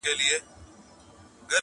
زه به څنگه ستا ښکارونو ته زړه ښه کړم!